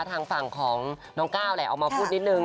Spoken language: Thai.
ทางฝั่งของน้องก้าวแหละออกมาพูดนิดนึง